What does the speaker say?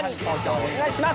お願い致します。